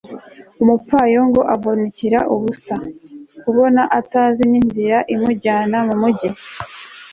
umupfayongo avunikira ubusa, kubona atazi n'inzira imujyana mu mugi